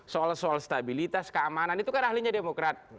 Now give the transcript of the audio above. soal soal stabilitas keamanan itu kan ahlinya demokrat